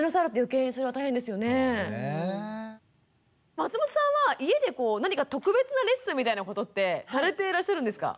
松本さんは家で何か特別なレッスンみたいなことってされていらっしゃるんですか？